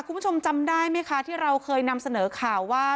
คุณผู้ชมจำได้ไหมคะที่เราเคยนำเสนอข่าวว่า